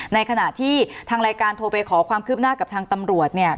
ในขณะที่ทางรายการโทรไปขอความคืบหน้ากับทางตำรวจเนี่ย